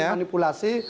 berapa yang dimanipulasi